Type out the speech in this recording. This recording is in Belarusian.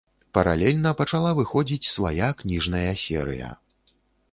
Паралельна пачала выходзіць свая кніжная серыя.